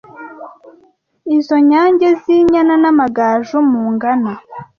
Izo nyange z'inyana N'amagaju mungana